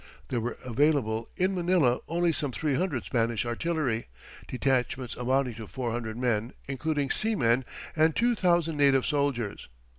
There were available in Manila only some three hundred Spanish artillery, detachments amounting to four hundred men, including seamen, and two thousand native soldiers.